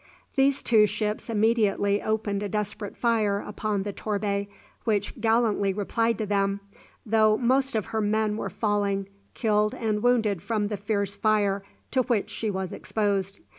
These two ships immediately opened a desperate fire upon the "Torbay," which gallantly replied to them, though most of her men were falling, killed and wounded from the fierce fire to which she was exposed.